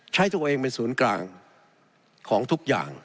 ตัวเองเป็นศูนย์กลางของทุกอย่าง